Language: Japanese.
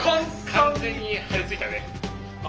完全に張り付いたね。